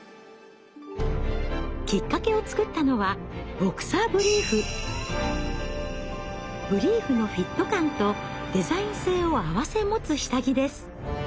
きっかけを作ったのはブリーフのフィット感とデザイン性をあわせ持つ下着です。